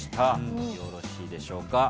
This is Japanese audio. よろしいでしょうか。